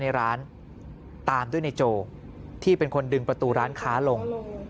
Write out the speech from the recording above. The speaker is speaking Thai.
ในร้านตามด้วยในโจที่เป็นคนดึงประตูร้านค้าลง